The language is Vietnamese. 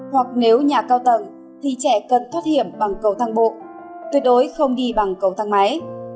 hoặc nếu nhà cao tầng thì trẻ cần thoát hiểm bằng cầu thang bộ tuyệt đối không đi bằng cầu thang máy